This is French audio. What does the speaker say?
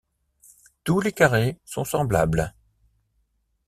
Tous les carrés sont semblables.